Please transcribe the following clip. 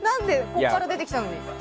ここから出てきたのに。